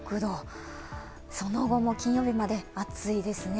その後も金曜日まで暑いですね。